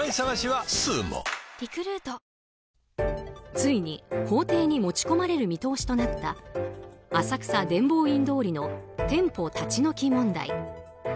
ついに法廷に持ち込まれる見通しとなった浅草・伝法院通りの店舗立ち退き問題。